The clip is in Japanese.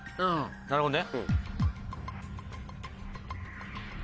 なるほどね。